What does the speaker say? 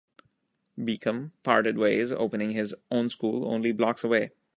Beacom, parted ways, opening his own school only blocks away.